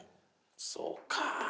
そうか。